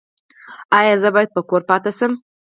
ایا زه باید کور پاتې شم؟